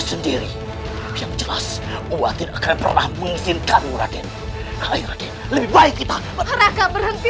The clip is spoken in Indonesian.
sendiri yang jelas gua tidak akan pernah mengizinkanmu raden lebih baik kita berhenti